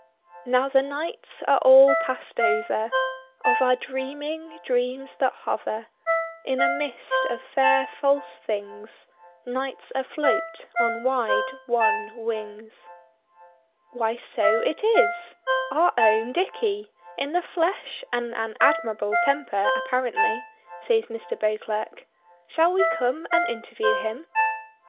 "Now the nights are all past over Of our dreaming, dreams that hover In a mist of fair false things: Night's afloat on wide wan wings." "Why, so it is! Our own Dicky, in the flesh and an admirable temper apparently," says Mr. Beauclerk. "Shall we come and interview him?"